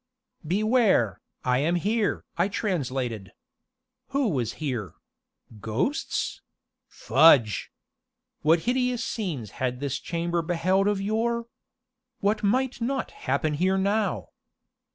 "Beware, I am here!" I translated. Who was here? Ghosts? Fudge! What hideous scenes had this chamber beheld of yore? What might not happen here now?